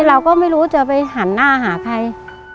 เราก็ไม่รู้จะไปหันหน้าหาใคร